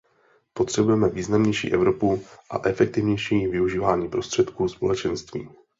Potřebujeme významnější Evropu a efektivnější využívání prostředků Společenství.